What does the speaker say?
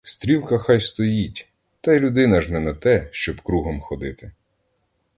Стрілка хай стоїть, та й людинка ж не на те, щоб кругом ходити.